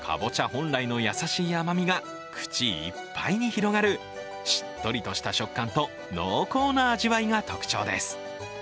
本来の優しい甘みが口いっぱいに広がるしっとりとした食感と濃厚な味わいが特徴です。